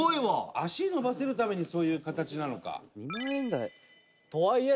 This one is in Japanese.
足伸ばせるためにそういう形なのか。